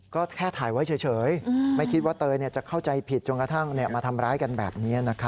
ก็แค่ถ่ายไว้เฉยไม่คิดว่าเตยจะเข้าใจผิดจนกระทั่งมาทำร้ายกันแบบนี้